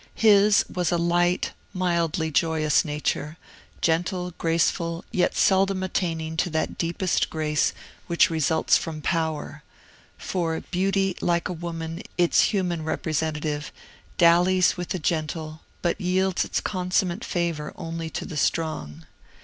His was a light, mildly joyous nature, gentle, graceful, yet seldom attaining to that deepest grace which results from power; for beauty, like woman, its human representative, dallies with the gentle, but yields its consummate favor only to the strong.